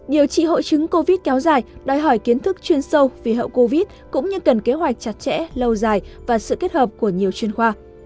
điều trị hội chứng covid kéo dài đòi hỏi kiến thức chuyên sâu vì hậu covid cũng như cần kế hoạch chặt chẽ lâu dài và sự kết hợp của nhiều chuyên khoa